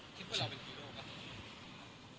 คิดว่าเราเป็นฮีโร่ป่ะ